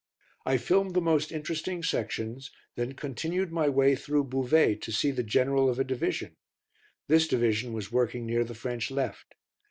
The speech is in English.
I filmed the most interesting sections; then continued my way through Bouvais on to see the General of a Division. This Division was working near the French left.